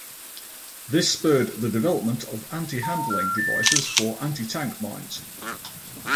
This spurred the development of anti-handling devices for anti-tank mines.